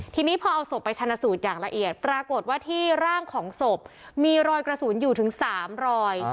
ทีนี้พอเอาศพไปชนะสูตรอย่างละเอียดปรากฏว่าที่ร่างของศพมีรอยกระสุนอยู่ถึง๓รอย